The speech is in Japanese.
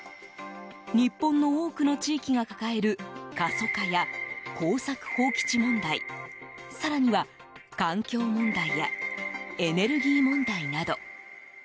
日本の多くの地域が抱える過疎化や耕作放棄地問題更には環境問題やエネルギー問題など。